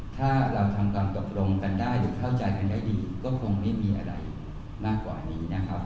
ถ้าเราทำการตกลงกันได้หรือเข้าใจกันได้ดีก็คงไม่มีอะไรมากกว่านี้นะครับ